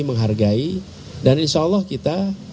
menghargai dan insyaallah kita